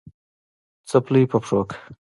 څپلۍ په پښو که